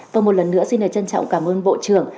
và một lần nữa xin lời trân trọng cảm ơn bộ trưởng